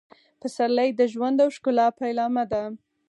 پسرلی د ژوند او ښکلا پیلامه ده.